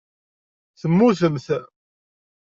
Temmutemt.